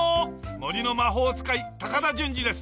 森の魔法使い高田純次です。